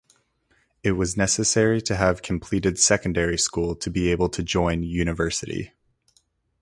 It was necessary to have completed secondary school to be able to join University.